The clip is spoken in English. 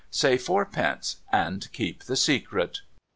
Say Four Pence, and keep the secret.'